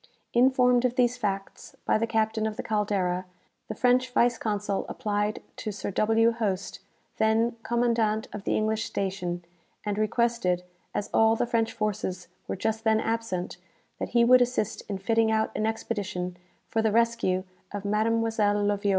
"Informed of these facts by the captain of the 'Caldera,' the French vice consul applied to Sir W. Hoste, then commandant of the English station, and requested, as all the French forces were just then absent, that he would assist in fitting out an expedition for the rescue of Mademoiselle Loviot.